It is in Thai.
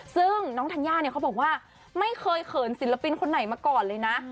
ถึงน้องทันย่าแคบไม่เคยเขินศิลปินมาก่อน